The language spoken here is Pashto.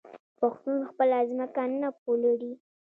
پښتون خپله ځمکه نه پلوري.